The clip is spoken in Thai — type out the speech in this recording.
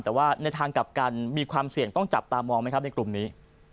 แต่ว่าในทางกลับกันมีความเสี่ยงต้องจับตามองไหมครับในกลุ่มนี้